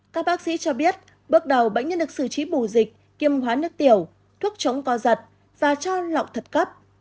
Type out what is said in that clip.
các bác sĩ cho biết bước đầu bệnh nhân được xử trí bù dịch kiêm hóa nước tiểu thuốc chống co giật và cho lọc thật cấp